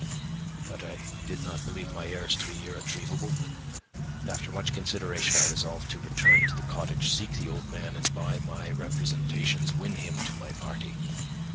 But I did not believe my errors to be irretrievable, and after much consideration I resolved to return to the cottage, seek the old man, and by my representations win him to my party.